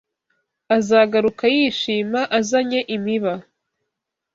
azagaruka yishima, azanye imiba.